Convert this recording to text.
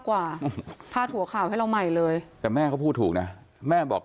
กว่าพาดหัวข่าวให้เราใหม่เลยแต่แม่เขาพูดถูกนะแม่บอก